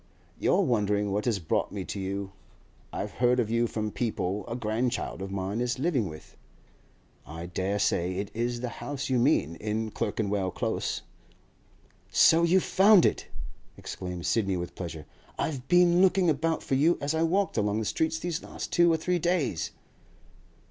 'You're wondering what has brought me to you. I have heard of you from people a grandchild of mine is living with. I dare say it is the house you mean—in Clerkenwell Close.' 'So you have found it!' exclaimed Sidney with pleasure. 'I've been looking about for you as I walked along the streets these last two or three days.